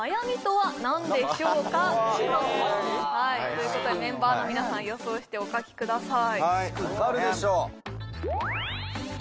はいということでメンバーの皆さん予想してお書きください